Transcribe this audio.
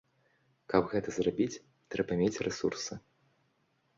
Каб гэта зрабіць, трэба мець рэсурсы.